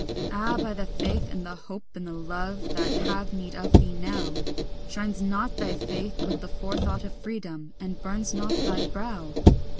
Ah, by the faith and the hope and the love that have need of thee now, Shines not thy face with the forethought of freedom, and burns not thy brow?